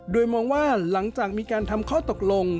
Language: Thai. โดยมองว่าหลังจากมีการทำข้อตกลง